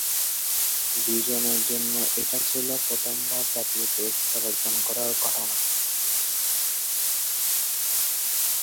দুইজনের জন্য এটা ছিল প্রথম বার জাতীয় পুরস্কার অর্জন করার ঘটনা।